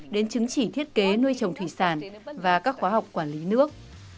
đến chứng chỉ thiết kế nuôi trồng thủy sản và các khóa học quản lý nước